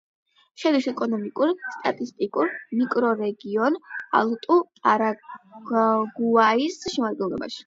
შედის ეკონომიკურ-სტატისტიკურ მიკრორეგიონ ალტუ-პარაგუაის შემადგენლობაში.